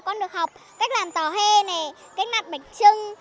con được học cách làm tòa hê cách nặn bạch trưng